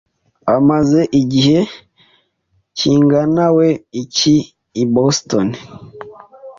amaze igihe kinganawe iki i Boston?